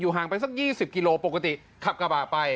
อยู่ห่างไปสัก๒๐กิโลกรัมปกติขับกระบาทไป